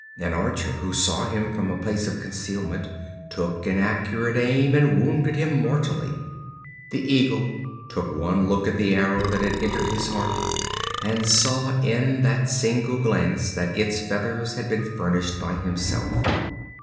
An archer, who saw him from a place of concealment, took an accurate aim, and wounded him mortally. The Eagle gave one look at the arrow that had entered his heart, and saw in that single glance that its feathers had been furnished by himself.